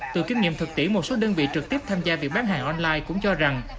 từ kinh nghiệm thực tỷ một số đơn vị trực tiếp tham gia việc bán hàng online cũng cho rằng